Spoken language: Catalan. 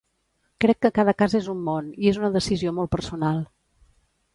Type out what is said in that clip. Crec que cada cas és un món i és una decisió molt personal.